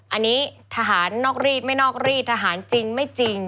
อันนี้ทหารนอกรีดไม่นอกรีดทหารจริงไม่จริง